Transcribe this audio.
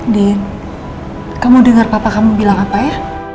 den kamu dengar papa kamu bilang apa ya